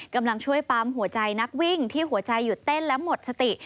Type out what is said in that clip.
กำลังช่วยปั๊มหัวใจนักวิ่งที่หัวใจหยุดเต้นและหมดสติ